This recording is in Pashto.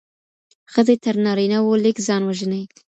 ښځي تر نارينه وو لږ ځان وژني.